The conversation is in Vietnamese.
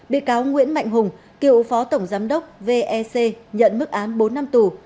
bị cáo nguyễn mạnh hùng cựu phó tổng giám đốc vec nhận mức án bốn năm tù